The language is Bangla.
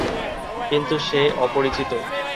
কিন্তু সে অপরিচিত।